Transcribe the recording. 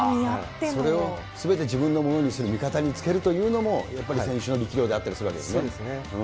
それをすべて自分のものにする、味方につけるというのも、やっぱり選手の力量だったりするそうですね。